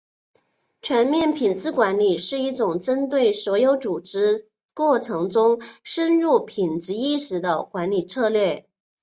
全面品质管理是一种针对所有组织过程中深入品质意识的管理策略。